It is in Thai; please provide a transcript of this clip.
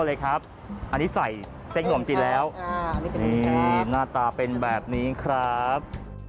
หน้าตาเป็นแบบนี้ครับ